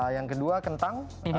yang kedua kentang